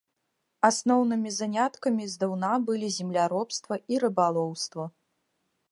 Асноўнымі заняткамі здаўна былі земляробства і рыбалоўства.